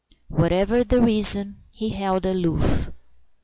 Whatever the reason, he held aloof.